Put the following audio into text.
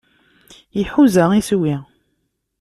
Iḥuza iswi.